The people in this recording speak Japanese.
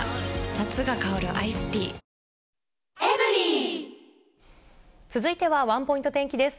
夏が香るアイスティー続いてはワンポイント天気です。